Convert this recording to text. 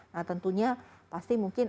nah tentunya pasti mungkin